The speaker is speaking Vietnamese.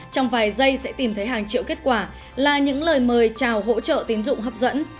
trong vài giây sẽ tìm thấy hàng triệu kết quả là những lời mời chào hỗ trợ tín dụng hấp dẫn